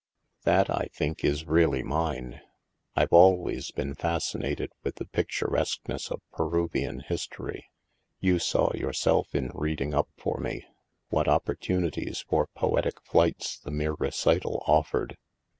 " That, I think, is really mine. I'd always been fascinated with the picturesqueness of Peruvian history. You saw, yourself, in reading up for me, what opportunities for poetic flights the mere recital offered.